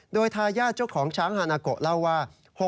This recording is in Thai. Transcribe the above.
โดยทายาทเจ้าของช้างฮานาโกเล่าว่า